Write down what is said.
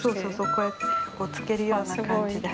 こうやってつけるような感じで。